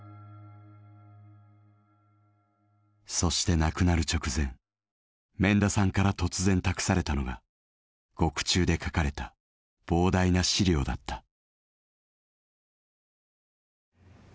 そして亡くなる直前免田さんから突然託されたのが獄中で書かれた膨大な資料だった。